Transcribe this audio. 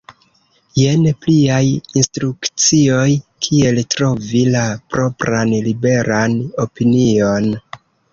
Jen pliaj instrukcioj kiel trovi la propran liberan opinion!